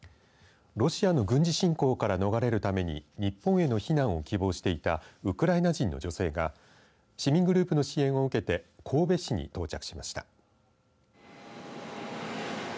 ロシアの軍事侵攻から逃れるために日本への避難を希望していたウクライナ人の女性が市民グループの支援を受けて神戸市に到着しました。